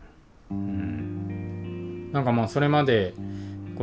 うん。